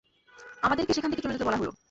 আমাদেরকে সেখান থেকে চলে যেতে বলা হলো।